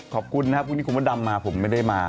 ขอบคุณนะครับพรุ่งนี้คุณพระดำมาผมไม่ได้มา